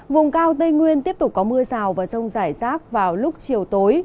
vùng cao tây nguyên tiếp tục có mưa rào và rông rải rác vào lúc chiều tối